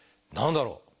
何だろう？